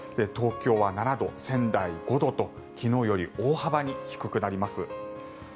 東京は７度仙台、５度と昨日より大幅に低くなります。